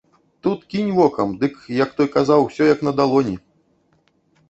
Тут кінь вокам, дык, як той казаў, усё як на далоні!